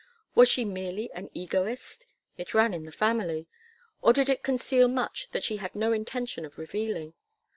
Was she merely an egoist it ran in the family or did it conceal much that she had no intention of revealing?